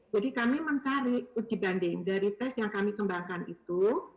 jadi kami mencari uji banding dari tes yang kami kembangkan itu